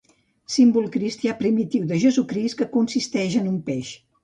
Símbol cristià primitiu de Jesucrist, que consisteix en un peix.